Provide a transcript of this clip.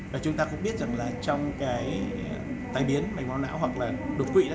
và chúng ta cũng biết rằng là trong cái tai biến mạch máu não hoặc là đột quỵ